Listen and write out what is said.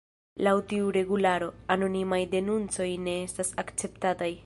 Laŭ tiu regularo, anonimaj denuncoj ne estas akceptataj.